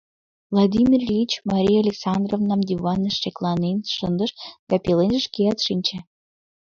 Владимир Ильич Мария Александровнам диваныш шекланен шындыш да пеленже шкеат шинче.